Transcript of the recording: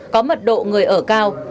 có mật độ người ở cao